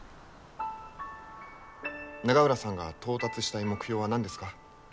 永浦さんが到達したい目標は何ですか？